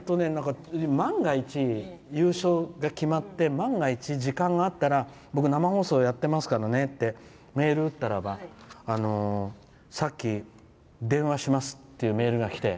万が一、優勝が決まって万が一、時間があったら僕、生放送やってますからねってメール打ったらばさっき、「電話します」っていうメールが来て。